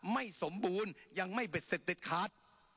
ไม่สมบูรณ์ยังไม่เบ็ดเสร็จเด็ดขาด